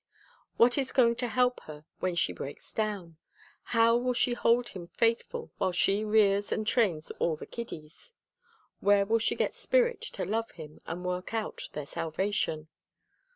What is going to help her when she breaks down? How will she hold him faithful while she rears and trains all the kiddies? Where will she get spirit to love him and work out their salvation?